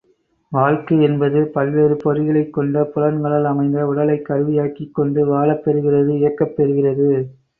வாழ்க்கையென்பது பல்வேறு பொறிகளைக் கொண்ட, புலன்களால் அமைந்த உடலைக் கருவியாக்கிக் கொண்டு வாழப்பெறுகிறது இயக்கப் பெறுகிறது.